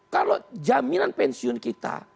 kalau jaminan pensiun kita